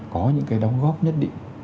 có những cái đóng góp nhất định